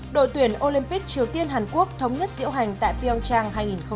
đội tuyển olympic triều tiên hàn quốc thống nhất diễu hành tại pyeongchang hai nghìn một mươi tám